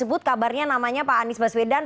sebut kabarnya namanya pak anies baswedan